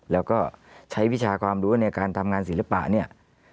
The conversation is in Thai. แล้วก็ใช้วิชาความรู้ในการทำงานศิลปะเนี่ย